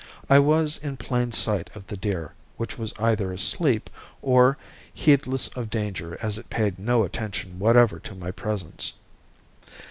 I was in plain sight of the deer, which was either asleep or heedless of danger as it paid no attention whatever to my presence.